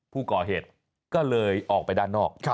ผู้ก่อเหตุก็เลยออกไปด้านนอก